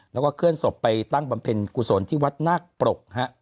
แล้วก็เคลื่อนศพไปตั้งบำเพ็ญกุศลที่วัดนาคปรก